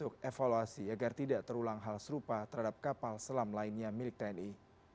untuk evaluasi agar tidak terulang hal serupa terhadap kapal selam lainnya milik tni